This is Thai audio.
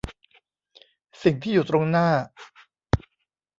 สิ่งที่อยู่ตรงหน้า